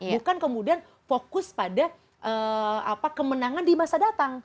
bukan kemudian fokus pada kemenangan di masa datang